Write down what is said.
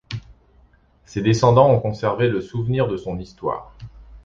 Ses descendants ont conservé le souvenir de son histoire.